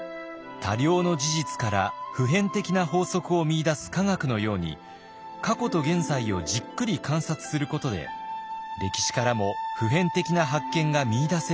多量の事実から普遍的な法則を見いだす科学のように過去と現在をじっくり観察することで歴史からも普遍的な発見が見いだせるはずだ。